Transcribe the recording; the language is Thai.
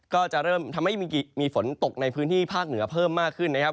ก็จะเริ่มทำให้มีฝนตกในพื้นที่ภาคเหนือเพิ่มมากขึ้นนะครับ